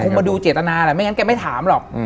มาดูเจตนาแหละไม่งั้นแกไม่ถามหรอก